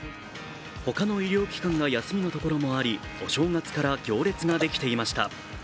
他の医療機関が休みのところもありお正月から行列ができていました。